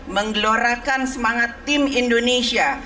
menggelorakan semangat tim indonesia